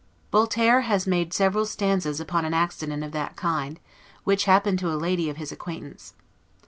Voiture has made several stanzas upon an accident of that kind, which happened to a lady of his acquaintance.